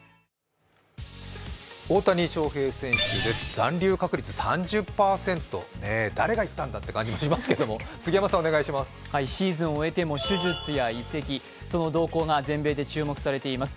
大谷翔平選手です、残留確率３０％誰が言ったんだという感じがしますけどシーズンを終えても手術や移籍、その動向が注目されています。